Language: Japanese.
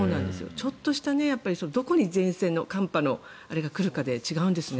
ちょっとした、どこに前線の寒波のあれが来るかで違うんですね。